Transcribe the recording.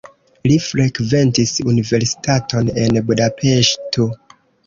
Li frekventis universitaton en Budapeŝto.